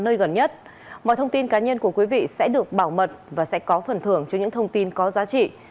nơi gần nhất mọi thông tin cá nhân của quý vị sẽ được bảo mật và sẽ có phần thưởng cho những thông tin có giá trị